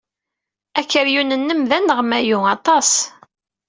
Akeryun-nnem d aneɣmayu aṭas.